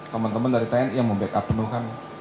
teman teman dari tni yang mau backup penuh